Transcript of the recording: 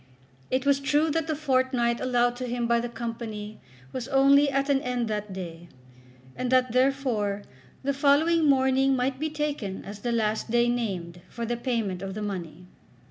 It was true that the fortnight allowed to him by the Company was only at an end that day, and that, therefore, the following morning might be taken as the last day named for the payment of the money.